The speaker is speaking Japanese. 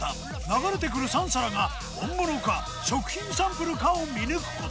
流れてくる３皿が本物か食品サンプルかを見抜く事。